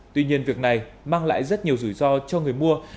tuy nhiên việc này mang lại rất nhiều rủi ro cho người mua